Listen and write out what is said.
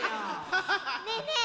ねえねえ